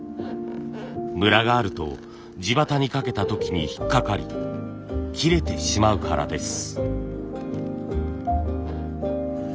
ムラがあると地機にかけた時に引っ掛かり切れてしまうからです。